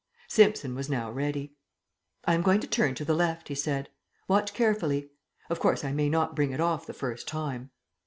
Simpson was now ready. "I am going to turn to the left," he said. "Watch carefully. Of course, I may not bring it off the first time."